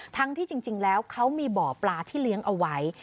ที่จริงแล้วเขามีบ่อปลาที่เลี้ยงเอาไว้